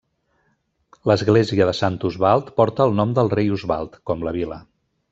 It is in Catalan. L'Església de Sant Osvald porta el nom del Rei Osvald, com la vila.